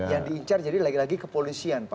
yang diincar jadi lagi lagi kepolisian pak